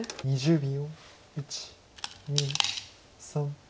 ２０秒。